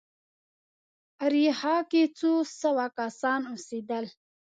اریحا کې څو سوه کسان اوسېدل.